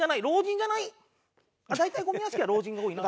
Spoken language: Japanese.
大体ゴミ屋敷は老人が多いな。